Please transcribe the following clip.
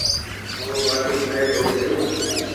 ٿون ٻاٽِي کائي ڍئو ڪيئو۔